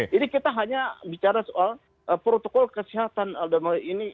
jadi kita hanya bicara soal protokol kesehatan aldamari ini